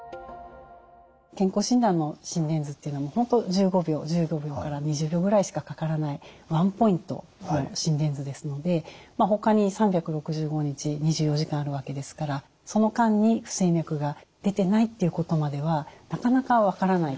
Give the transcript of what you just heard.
健康診断の心電図っていうのは本当１５秒１５秒から２０秒ぐらいしかかからないワンポイントの心電図ですのでほかに３６５日２４時間あるわけですからその間に不整脈が出てないっていうことまではなかなか分からない。